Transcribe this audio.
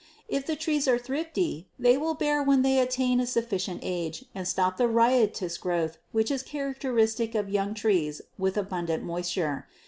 If the trees are thrifty they will bear when they attain a sufficient age and stop the riotous growth which is characteristic of young trees with abundant moisture.